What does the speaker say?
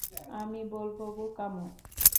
আমি বলব বোকামো।